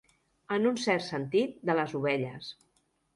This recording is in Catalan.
En un cert sentit, de les ovelles.